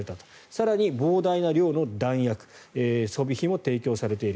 更に膨大な量の弾薬装備品も提供されている。